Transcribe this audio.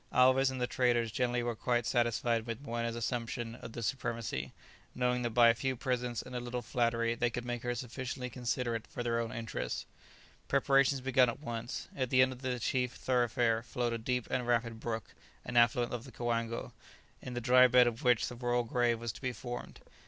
Alvez and the traders generally were quite satisfied with Moena's assumption of the supremacy, knowing that by a few presents and a little flattery they could make her sufficiently considerate for their own interests. Preparations began at once. At the end of the chief thoroughfare flowed a deep and rapid brook, an affluent of the Coango, in the dry bed of which the royal grave was to be formed.